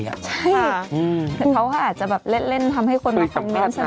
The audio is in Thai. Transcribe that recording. ใช่แต่เขาค่ะอาจจะแบบเล่นทำให้คนมาคอมเมนต์ฉลิบสนุก